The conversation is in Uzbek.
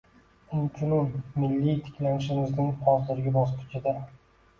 Inchunun, milliy tiklanishimizning hozirgi bosqichida